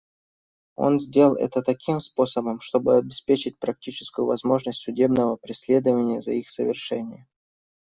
Он сделал это таким способом, чтобы обеспечить практическую возможность судебного преследования за их совершение.